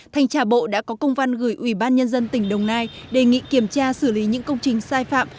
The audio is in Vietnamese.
thành trả bộ đã có công văn gửi ubnd tỉnh đồng nai đề nghị kiểm tra xử lý những công trình sai phạm